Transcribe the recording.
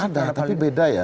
ada tapi beda ya